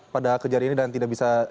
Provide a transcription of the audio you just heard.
pada kejadian ini dan tidak bisa